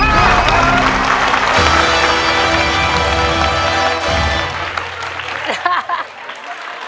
ขอบคุณครับ